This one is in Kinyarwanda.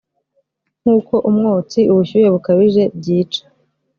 nkuko umwotsi ubushyuhe bukabije byica